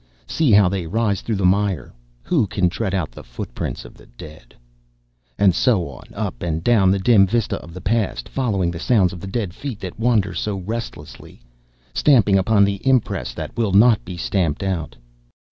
See how they rise through the mire! Who can tread out the footprints of the dead? And so on, up and down the dim vista of the past, following the sound of the dead feet that wander so restlessly, stamping upon the impress that will not be stamped out.